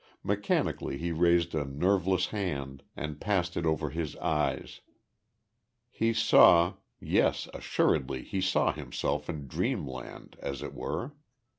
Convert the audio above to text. Mechanically he raised a nerveless hand, and passed it over his eyes. He saw yes, assuredly he saw himself in dreamland, as it were.